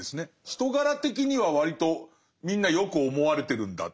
人柄的には割とみんなよく思われてるんだ。